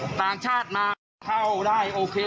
จูงลูกจนหลังเข้าไป